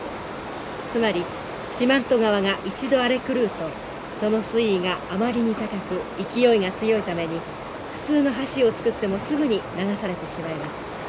つまり四万十川が一度荒れ狂うとその水位があまりに高く勢いが強いために普通の橋を造ってもすぐに流されてしまいます。